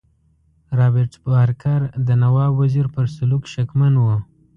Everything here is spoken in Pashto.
رابرټ بارکر د نواب وزیر پر سلوک شکمن وو.